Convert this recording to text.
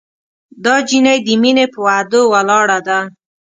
دا جینۍ د مینې پهٔ وعدو ولاړه ده